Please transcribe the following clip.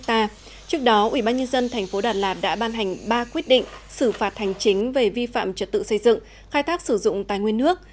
trước đó ubnd tp đà lạt đã ban hành ba quyết định xử phạt hành chính về vi phạm trật tự xây dựng khai thác sử dụng tài nguyên nước